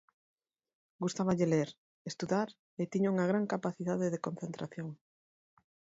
Gustáballe ler, estudar e tiña unha gran capacidade de concentración.